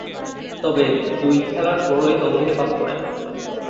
তবে, দুই খেলার পরই দল থেকে বাদ পড়েন।